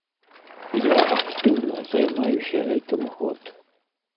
Я актыўна займаюся гэтым год.